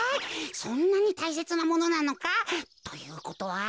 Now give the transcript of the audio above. そんなにたいせつなものなのか？ということは。